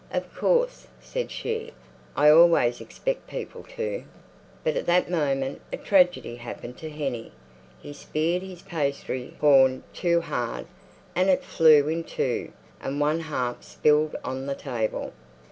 "Of course," said she. "I always expect people to." But at that moment a tragedy happened to Hennie. He speared his pastry horn too hard, and it flew in two, and one half spilled on the table.